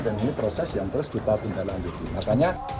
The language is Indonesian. dan ini proses yang terus kita pindah lanjutin